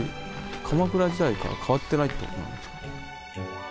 鎌倉時代から変わってないってことなんですか。